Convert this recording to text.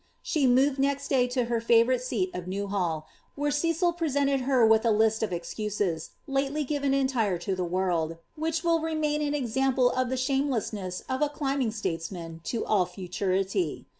Sha moved next day to her favourite sent nf Kewhall, where Cecil prefeniat) ber wiUi a liai of exciiHea, lately jeiven entire U> the world,' wliirh will remain an example of the shamelessness o{ a rliuibing stote ^niun to all fnturiiy.